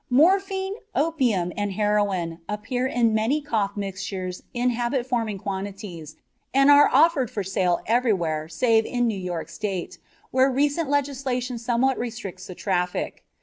Morphine, opium, and heroin appear in many cough mixtures in habit forming quantities and are offered for sale everywhere save in New York State, where recent legislation somewhat restricts the traffic.